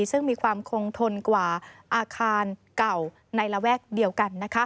ซึ่งมีความคงทนกว่าอาคารเก่าในระแวกเดียวกัน